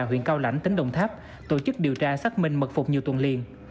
huyện cao lãnh tỉnh đồng tháp tổ chức điều tra xác minh mật phục nhiều tuần liên